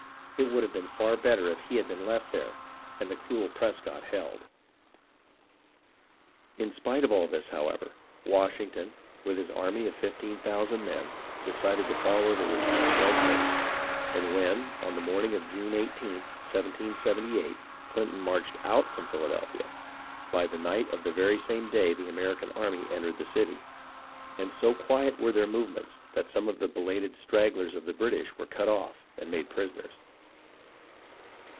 It would have been far better if he had been left there and the cruel Prescott held. In spite of all this, however, Washington, with his army of fifteen thousand men, decided to follow the retiring red coats ; and when, on the morning of June 1 8th, 1 778, Clinton marched out from Philadelphia, by the night of the very same day the American army entered the city ; and so quiet were their movements that some of the belated stragglers of the British were cut off and made prisoners.